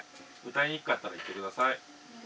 歌いにくかったら言ってください。